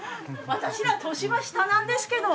私ら年は下なんですけど！